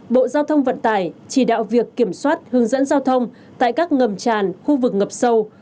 bộ giao thông vận tải chỉ đạo việc kiểm soát hướng dẫn giao thông tại các ngầm tràn khu vực ngập sâu